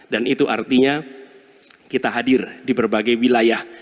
dan itu artinya kita hadir di berbagai wilayah